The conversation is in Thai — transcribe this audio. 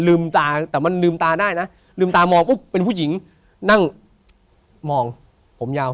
ลืมตาแต่มันลืมตาได้นะลืมตามองปุ๊บเป็นผู้หญิงนั่งมองผมยาว